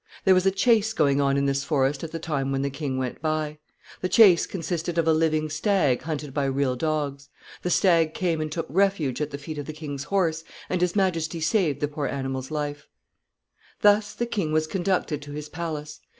There was a chase going on in this forest at the time when the king went by. The chase consisted of a living stag hunted by real dogs. The stag came and took refuge at the feet of the king's horse, and his majesty saved the poor animal's life. [Sidenote: The coronation.] Thus the king was conducted to his palace.